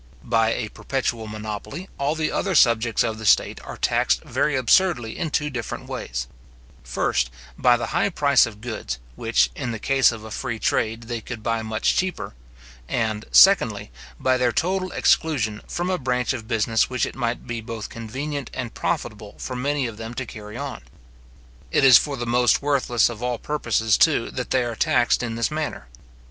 By a perpetual monopoly, all the other subjects of the state are taxed very absurdly in two different ways: first, by the high price of goods, which, in the case of a free trade, they could buy much cheaper; and, secondly, by their total exclusion from a branch of business which it might be both convenient and profitable for many of them to carry on. It is for the most worthless of all purposes, too, that they are taxed in this manner.